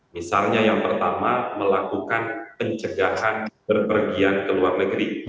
misalnya yang pertama melakukan pencegahan berpergian ke luar negeri